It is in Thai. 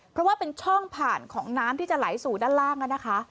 เพราะว่าเป็นช่องผ่านของน้ำที่จะไหลสู่ด้านล่างนะคะ